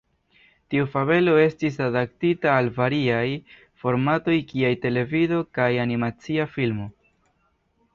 Tiu fabelo estis adaptita al variaj formatoj kiaj televido kaj animacia filmo.